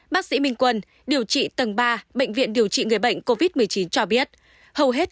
bác sĩ minh quân điều trị tầng ba bệnh viện điều trị người bệnh covid một mươi chín cho biết hầu hết